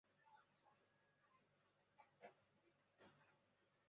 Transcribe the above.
德商鲁麟洋行是中国近代史上一家知名的洋行。